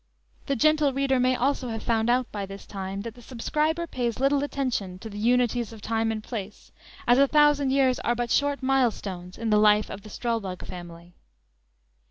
The "gentle reader" may also have found out by this time that the "subscriber" pays little attention to the "unities of time and place," as a thousand years are but short milestones in the life of the "Strulbug" family!